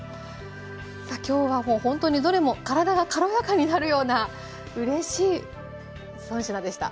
さあ今日はもうほんとにどれも体が軽やかになるようなうれしい３品でした。